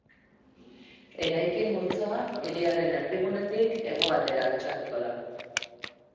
Eraikin multzoa hiriaren erdigunetik hegoaldera altxatuko da.